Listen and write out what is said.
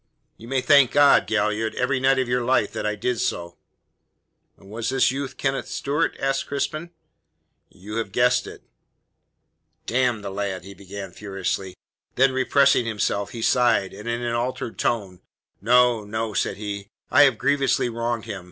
You may thank God, Galliard, every night of your life that I did so." "Was this youth Kenneth Stewart?" asked Crispin. "You have guessed it." "D n the lad," he began furiously. Then repressing himself, he sighed, and in an altered tone, "No, no," said he. "I have grievously wronged him!